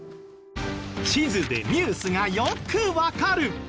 地図でニュースがよくわかる！